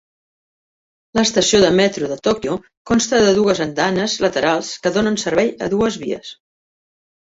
L'estació de metro de Tòquio consta de dues andanes laterals que donen servei a dues vies.